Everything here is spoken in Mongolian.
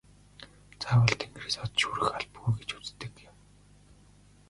Заавал тэнгэрээс од шүүрэх албагүй гэж үздэг юм.